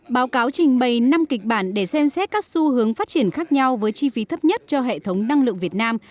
báo cáo trình bày năm kịch bản để xem xét các xu hướng phát triển khác nhau với chi phí thấp nhất cho hệ thống năng lượng việt nam